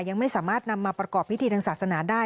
ยังไม่สามารถนำมาประกอบพิธีทางศาสนาได้